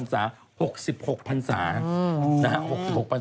๖๖๐๐๐สาคุณพระองค์ท่าน